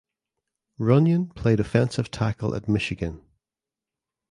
Runyan played offensive tackle at Michigan.